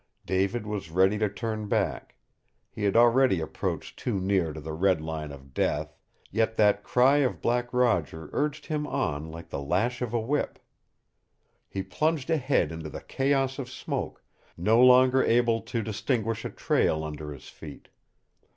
David was ready to turn back. He had already approached too near to the red line of death, yet that cry of Black Roger urged him on like the lash of a whip. He plunged ahead into the chaos of smoke, no longer able to distinguish a trail under his feet.